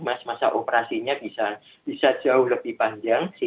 masa operasinya bisa jauh lebih panjang